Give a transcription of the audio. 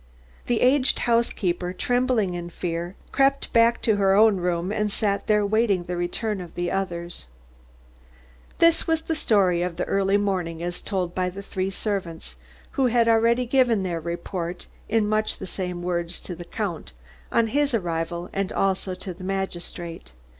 The aged housekeeper, trembling in fear, crept back to her own room and sat there waiting the return of the others. This was the story of the early morning as told by the three servants, who had already given their report in much the same words to the Count on his arrival and also to the magistrate.